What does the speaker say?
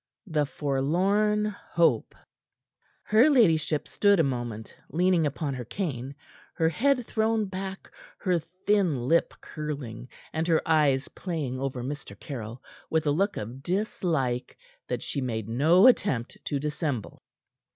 THE FORLORN HOPE Her ladyship stood a moment, leaning upon her cane, her head thrown back, her thin lip curling, and her eyes playing over Mr. Caryll with a look of dislike that she made no attempt to dissemble.